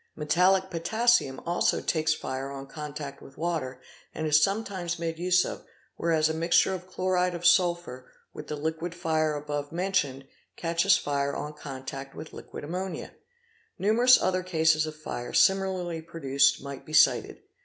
Metallic potassium also takes fire on contact with water and is sometimes made use of, whereas a mixture of chloride of sulphur with the liquid fire above mentioned catches fire on contact with liquid ammonia. Numerous other cases of fire similarly produced might be cited.